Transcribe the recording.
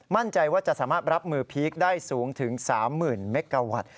มั่นใจว่าจะสามารถรับมือพีคได้สูงถึง๓๐๐๐เมกาวัตต์